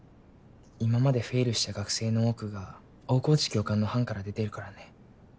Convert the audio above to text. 今までフェイルした学生の多くが大河内教官の班から出ているからね。